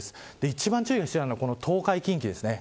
一番注意が必要なのは東海、近畿です。